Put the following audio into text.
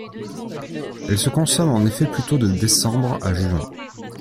Elle se consomme en effet plutôt de décembre à juin.